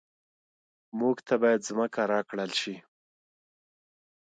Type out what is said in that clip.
موږ ته باید ځمکه راکړل شي